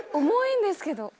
重いんですけど。